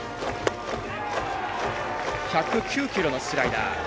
１０９キロのスライダー。